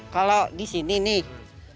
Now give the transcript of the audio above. kalau di sini nih